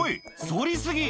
そり過ぎ！